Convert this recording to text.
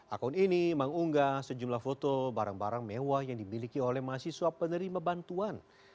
akun ini mengunggah sejumlah foto barang barang mewah yang dimiliki oleh mahasiswa penerima bantuan